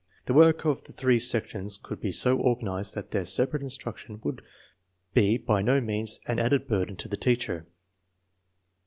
The work of the three sections could be so organized that their separate instruction would be by no means an added burden to the teacher.